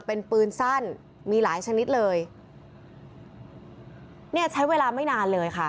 เป็นปืนสั้นมีหลายชนิดเลยเนี่ยใช้เวลาไม่นานเลยค่ะ